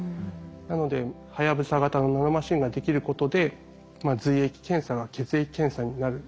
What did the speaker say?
なのではやぶさ型のナノマシンができることで髄液検査が血液検査になる。